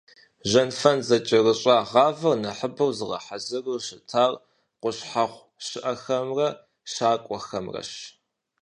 Жьэнфэн зэкӀэрыщӀа гъэвар нэхъыбэу зыгъэхьэзыру щытар къущхьэхъу щыӀэхэмрэ щакӀуэхэмрэщ.